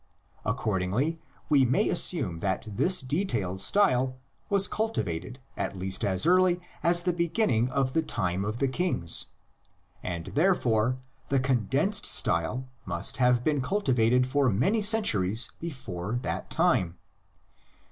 Accordingly we may assume that this "detailed" style was cultivated at least as early as the beginning of the time of the kings. And LITER AR Y FORM OF THE LEGENDS. 87 therefore the condensed style must have been culti vated for many centuries before that time.